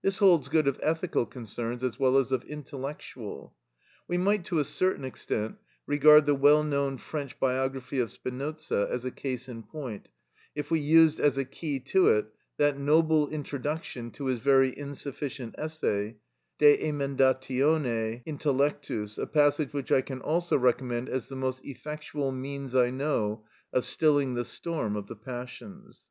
This holds good of ethical concerns as well as of intellectual. We might to a certain extent regard the well known French biography of Spinoza as a case in point, if we used as a key to it that noble introduction to his very insufficient essay, "De Emendatione Intellectus," a passage which I can also recommend as the most effectual means I know of stilling the storm of the passions.